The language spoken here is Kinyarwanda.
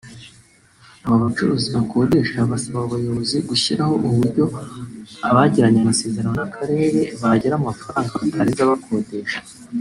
Aba bacuruzi bakodesha basaba ubuyobozi gushyiraho uburyo abagiranye amasezerano n’akarere bagira amafaranga batarenza bakodesha